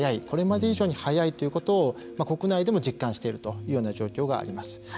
これまでに以上に早いということを国内でも実感しているというような状況があります。